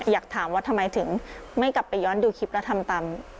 อยากถามว่าทำไมถึงไม่กลับไปย้อนดูคลิปแล้วทำตาม